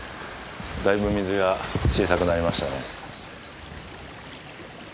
だいぶ水が小さくなりましたね。